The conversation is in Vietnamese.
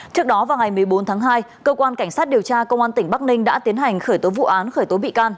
trước đó vào ngày một mươi bốn tháng hai cơ quan cảnh sát điều tra công an tỉnh bắc ninh đã tiến hành khởi tố vụ án